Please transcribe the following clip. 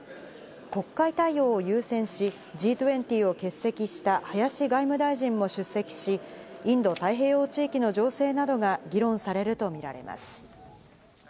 国会対応を優先し、Ｇ２０を欠席した林外務大臣も出席し、インド太平洋地域の情勢などが議論されるとみられます。